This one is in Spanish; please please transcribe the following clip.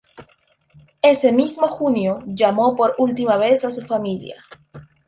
Ese mismo junio, llamó por última vez a su familia.